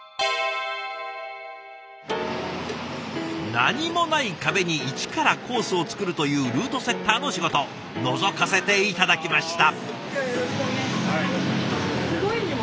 何もない壁に一からコースを作るというルートセッターの仕事のぞかせて頂きました。